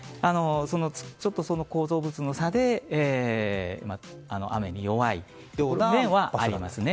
構造物の差で雨に弱い面はありますね。